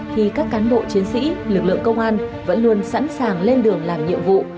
thì các cán bộ chiến sĩ lực lượng công an vẫn luôn sẵn sàng lên đường làm nhiệm vụ